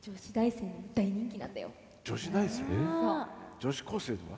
女子高生では？